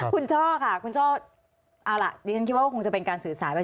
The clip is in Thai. คุณช่อค่ะคุณช่อเอาล่ะดิฉันคิดว่าก็คงจะเป็นการสื่อสารไป